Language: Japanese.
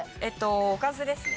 おかずですね。